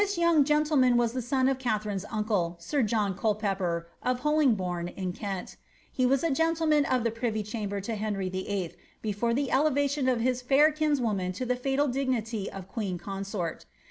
young gentleman was the son of Katharine^s uncle, sir John er, of Holin^hourn, in Kent. He was a gentleman of the privy to Henry VIII. before the elevation of his fair kinswoman to dignity of queen consort.